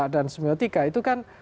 dan semiotika itu kan